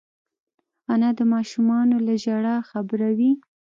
انا د ماشومانو له ژړا خبروي